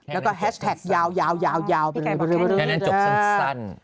แล้วก็แฮชแท็กยาวยาวยาวยาวติดพูดมากขันพี่ไก่บอกแบบนี้นะแท่นั้นจบสั้น